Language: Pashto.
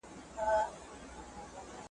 د مسلکو په دې جنګ کښې